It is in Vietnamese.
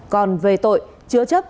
còn về tội chứa chấp